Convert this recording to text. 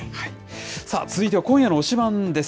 さあ、続いては今夜の推しバン！です。